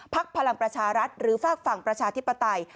พลังประชารัฐหรือฝากฝั่งประชาธิปไตย